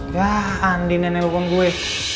ya andi nenek lupa gue